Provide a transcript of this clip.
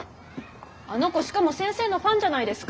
あの子しかも先生のファンじゃないですか。